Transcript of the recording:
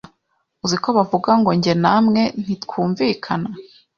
Uzi ko bavuga ngo jye namwe ntitwumvikana,